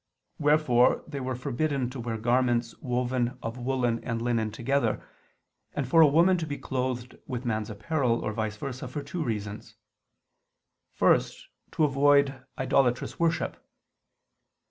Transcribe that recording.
Wherefore they were forbidden to wear garments woven of woolen and linen together, and for a woman to be clothed with man's apparel, or vice versa, for two reasons. First, to avoid idolatrous worship.